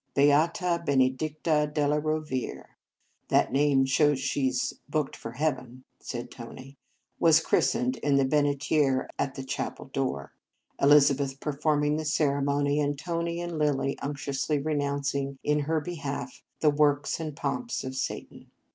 Beata Benedicta della Rovere (" That In Our Convent Days name shows she s booked for Hea ven," said Tony) was christened in the benitier&t the chapel door; Eliz abeth performing the ceremony, and Tony and Lilly unctuously renoun cing in her behalf the works and pomps of Satan.